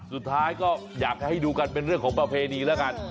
สุดท้ายก็อยากให้ดูกันเป็นเรื่องของประเพณีแล้วกัน